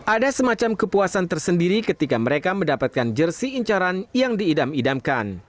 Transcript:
ada semacam kepuasan tersendiri ketika mereka mendapatkan jersi incaran yang diidam idamkan